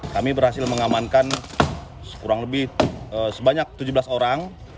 kami berhasil mengamankan kurang lebih sebanyak tujuh belas orang